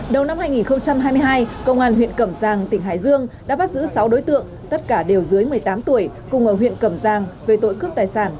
đầu năm hai nghìn hai mươi hai công an huyện cẩm giang tỉnh hải dương đã bắt giữ sáu đối tượng tất cả đều dưới một mươi tám tuổi cùng ở huyện cẩm giang về tội cướp tài sản